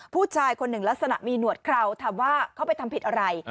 ผู้ชายคนหนึ่งลักษณะมีหนวดเคราถามว่าเขาไปทำผิดอะไร